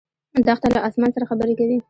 دښته له اسمان سره خبرې کوي.